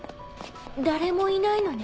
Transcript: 誰もいないのね。